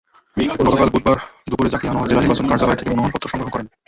গতকাল বুধবার দুপুরে জাকিয়া আনোয়ার জেলা নির্বাচন কার্যালয় থেকে মনোনয়নপত্র সংগ্রহ করেন।